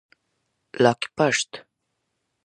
لاکپشت 🐢